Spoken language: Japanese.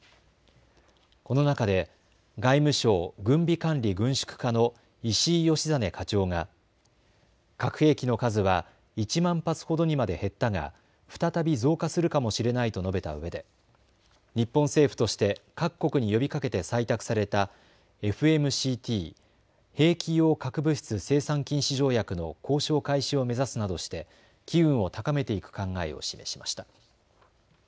この中で外務省軍備管理軍縮課の石井良実課長が核兵器の数は１万発ほどにまで減ったが再び増加するかもしれないと述べたうえで日本政府として各国に呼びかけて採択されたＦＭＣＴ・兵器用核物質生産禁止条約の交渉開始を目指すなどして機運を高めていく考えを示しました。